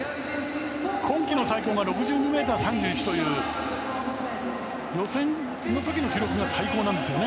今季の最高が６２ｍ３１という予選の時の記録が最高なんですね。